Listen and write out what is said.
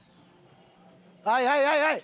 はいはいはいはい！